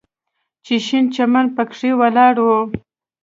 چې شين چمن پکښې ولاړ و.